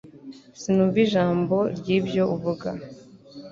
Sinumva ijambo ryibyo uvuga.